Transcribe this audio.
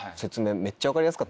めっちゃ分かりやすかったな。